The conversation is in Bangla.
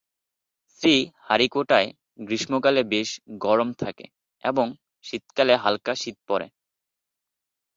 শ্রীহারিকোটায় গ্রীষ্মকালে বেশ গরম থাকে এবং শীতকালে হালকা শীত পড়ে।